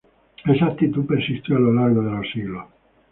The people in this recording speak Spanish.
Esa actitud persistió a lo largo de los siglos.